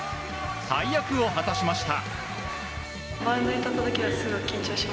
大役を果たしました。